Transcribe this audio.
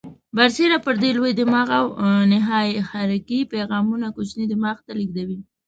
برسیره پر دې لوی دماغ او نخاع حرکي پیغامونه کوچني دماغ ته لېږدوي.